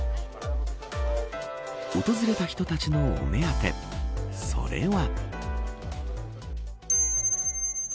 訪れた人たちのお目当てそれは。